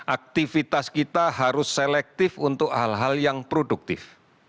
aktivitas kita harus selektif untuk hal hal yang produktif